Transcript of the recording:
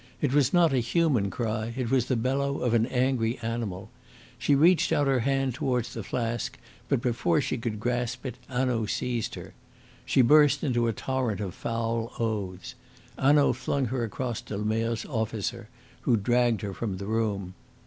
It was not a human cry; it was the bellow of an angry animal. She reached out her hand towards the flask, but before she could grasp it Hanaud seized her. She burst into a torrent of foul oaths. Hanaud flung her across to Lemerre's officer, who dragged her from the room.